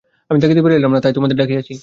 আর থাকিতে পারিলাম না, তাই তোমাদের ডাকিয়াছি।